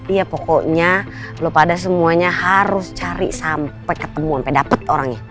iya pokoknya lo pada semuanya harus cari sampai ketemu sampai dapet orangnya